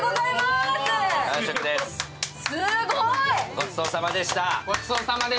ごちそうさまでした。